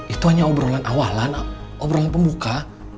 itu hanya obrolan awalan obrolan pembuka